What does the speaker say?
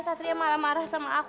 satria malah marah sama aku